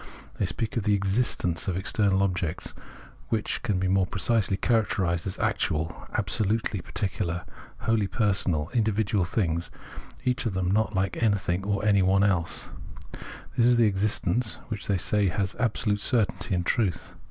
They speak of the " existence " of external objects, which can be more precisely characterised as actual, absohitely particular, wholly personal, individual things, each of them not like anything or anyone else ; this is the existence which they say has absolute certainty and truth.